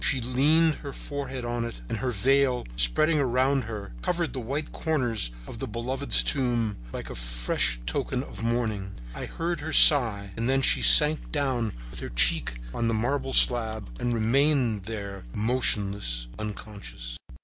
She leaned her forehead on it, and her veil spreading around her, covered the white corners of the beloved tomb, like a fresh token of mourning. I heard her sigh, then she sank down with her cheek on the marble slab and remained motionless, unconscious.